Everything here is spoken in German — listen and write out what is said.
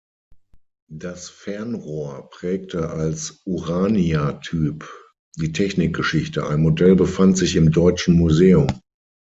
Das Fernrohr prägte als «Urania-Typ» die Technikgeschichte; ein Modell befand sich im Deutschen Museum.